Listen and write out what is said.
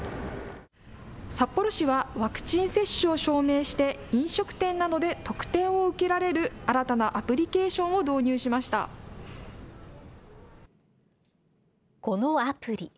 札幌市は、ワクチン接種を証明して、飲食店などで特典を受けられる新たなアプリケーションを導入しまこのアプリ。